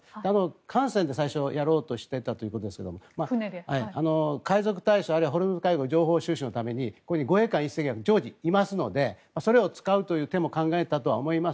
艦船で最初やろうとしていたということですが海賊対処、あるいはホルムズ海峡の情報収集のために護衛艦が常時いますのでそれを使うということだと思います。